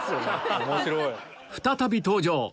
再び登場！